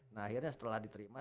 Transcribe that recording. nah akhirnya setelah diterima